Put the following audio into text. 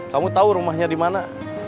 kamu tahu rumahnya dimana